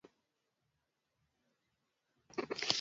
Wanafunzi wasome.